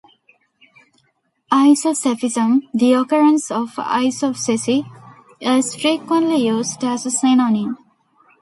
"Isopsephism", the occurrence of isopsephy, is frequently used as a synonym.